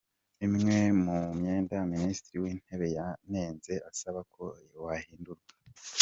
Imwe mu myenda Minisitiri w’Intebe yanenze asaba ko wahindurwa.